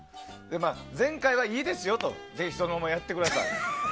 前回はいいですよとぜひ、そのままやってください。